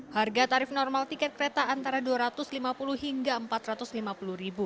harga tarif normal tiket kereta antara rp dua ratus lima puluh hingga rp empat ratus lima puluh